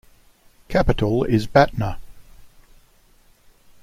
Capital is Batna.